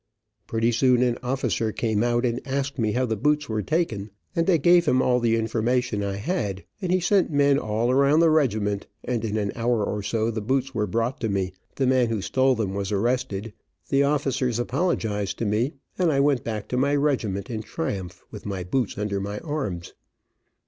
Pretty soon an officer came out and asked me how the boots were taken, and I gave him all the information I had, and he sent men all around the regiment, and in an hour or so the boots were brought to me, the man who stole them was arrested, the officers apologized to me, and I went back to my regiment in triumph, with my boots under my arms.